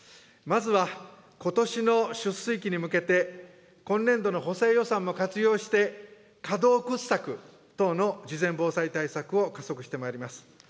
まずはことしの出水期に向けて、今年度の補正予算も活用して、河道掘削等の事前防災対策を加速してまいります。